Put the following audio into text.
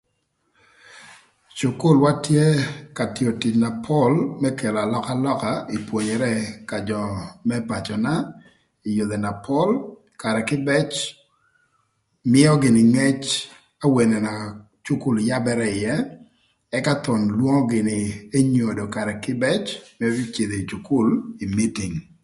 Cukulwa tye ka tio tic na pol më kelo alökalöka ï pwonyere ka jö më pacöna ï yodhi na pol karë kïbëc mïö gïnï ngëc awene na cukul yabërë ïë ëka thon cwodo gïnï enyodo karë kïbëc më cïdhö ï cukul ï mïtïng.